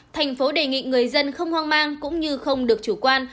thành phố đề nghị người dân không hoang mang cũng như không được chủ quan